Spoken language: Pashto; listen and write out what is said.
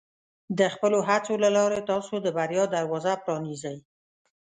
د خپلو هڅو له لارې، تاسو د بریا دروازه پرانیزئ.